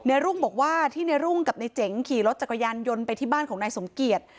รุ่งบอกว่าที่ในรุ่งกับในเจ๋งขี่รถจักรยานยนต์ไปที่บ้านของนายสมเกียจ